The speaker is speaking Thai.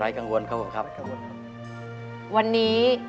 โทษให้